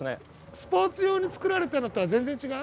スポーツ用に作られたのとは全然違う？